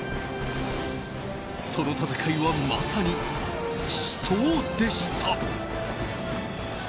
その戦いはまさに死闘でした。